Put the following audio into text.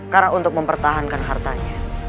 karena untuk mempertahankan hartanya